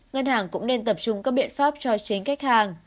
ngân hàng cũng nên tập trung các biện pháp cho chính khách hàng